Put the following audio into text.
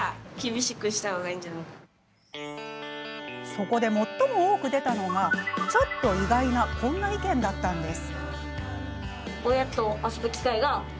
そこで最も多く出たのがちょっと意外なこんな意見だったんです。